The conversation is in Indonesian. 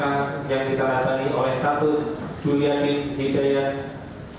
yang ditaratani oleh t julia kim hidayat